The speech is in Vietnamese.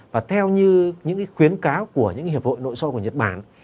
và theo như những khuyến cáo của những hiệp hội nội soi của nhật bản